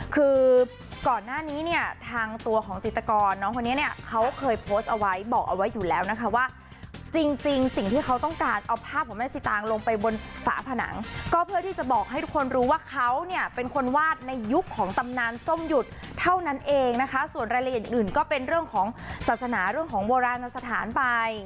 คือก่อนหน้านี้เนี่ยทางตัวของจิตกรน้องคนนี้เนี่ยเขาเคยโพสต์เอาไว้บอกเอาไว้อยู่แล้วนะคะว่าจริงสิ่งที่เขาต้องการเอาภาพของแม่สิตางลงไปบนฝาผนังก็เพื่อที่จะบอกให้ทุกคนรู้ว่าเขาเนี่ยเป็นคนวาดในยุคของตำนานส้มหยุดเท่านั้นเองนะคะส่วนรายละเอียดอื่นก็เป็นเรื่องของศาสนาเรื่องของโบราณสถานไป